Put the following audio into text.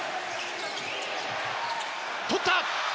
取った！